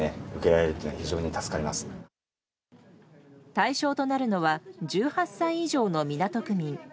対象となるのは１８歳以上の港区民。